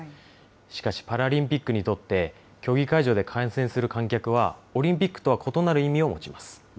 しかしパラリンピックにとって、競技会場で観戦する観客は、オリンピックとは異なる意味を持ちます。